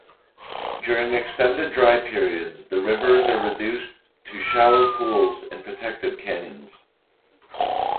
During extended dry periods the rivers are reduced to shallow pools in protected canyons.